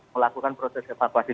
melakukan proses evakuasi